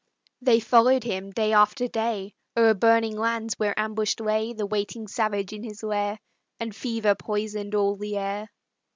They followed him day after day O'er burning lands where ambushed lay The waiting savage in his lair, And fever poisoned all the air.